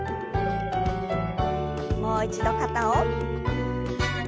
もう一度肩を。